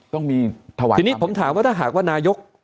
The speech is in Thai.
ต้องมีถวัญท่าสมมันทีนี้ผมถามว่าถ้าหากว่านายก